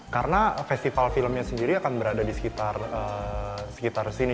karena festival filmnya sendiri akan berada disekitar sini cikini sini